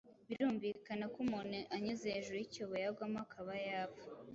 birumvikana ko umuntu anyuze hejuru y’icyobo yagwamo akaba yapfa.